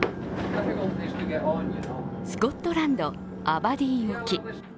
スコットランドアバディーン沖。